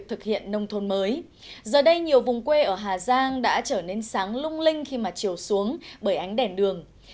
từ đây nhiều vùng quê ở hà giang đã trở nên sáng lung linh khi mà chiều xuống bởi ánh đèn đường